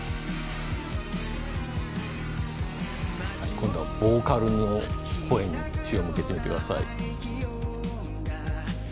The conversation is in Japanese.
今度はボーカルの声に注意を向けてみてください。